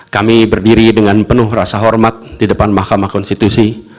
kami berdiri dengan penuh rasa hormat di depan mahkamah konstitusi